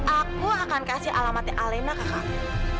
aku akan kasih alamatnya alena ke kamu